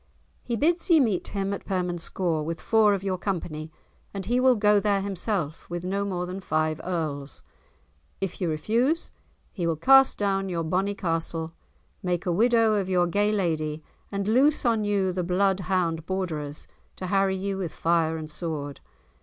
"He bids ye meet him at Permanscore, with four of your company, and he will go there himself with no more than five Earls. If you refuse, he will cast down your bonny castle, make a widow of your gay lady, and loose on you the bloodhound Borderers to harry you with fire and sword.